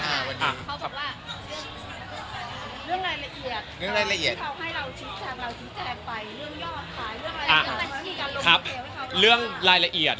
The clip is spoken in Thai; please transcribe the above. เขาบอกว่าเรื่องรายละเอียด